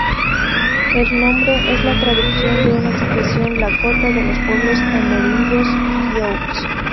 El nombre es la traducción de una expresión lakota de los pueblos amerindios sioux.